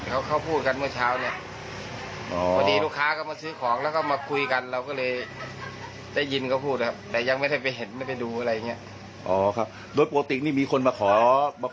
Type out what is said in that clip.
เวลาสองหวานสองหวานสองหวาน๘๐๙๐ธุบ